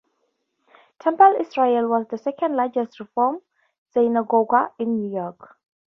Temple Israel was the second largest Reform synagogue in New York.